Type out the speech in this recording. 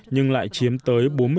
nhưng lại chiếm tới bốn đô la mỹ